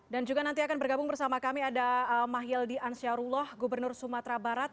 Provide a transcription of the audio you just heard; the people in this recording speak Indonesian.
dan juga nanti akan bergabung bersama kami ada mahyildi ansiarullah gubernur sumatera barat